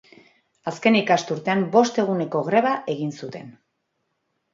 Azken ikasturtean bost eguneko greba egin zuten.